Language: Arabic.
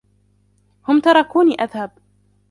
هُم تركوني أذهب.